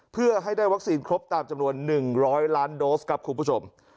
เพื่อให้ได้วัคซีนครบตามจำนวน๑๐๐ล้านโดสครับคุณผู้ชม